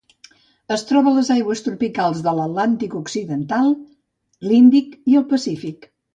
Es troba a les aigües tropicals de l'Atlàntic occidental, l'Índic i el Pacífic.